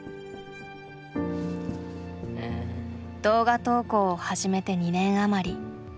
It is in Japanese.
動画投稿を始めて２年余り。